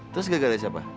terus gara gara siapa